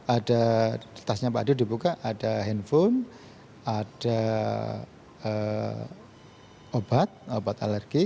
ada tasnya pak ade dibuka ada handphone ada obat obat alergi